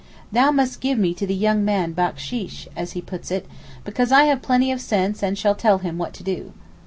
'Thou must give me to the young man backsheesh,' as he puts it, 'because I have plenty of sense and shall tell him what to do.